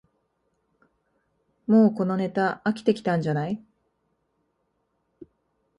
もうこのネタ飽きてきたんじゃない